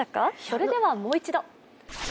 それではもう一度。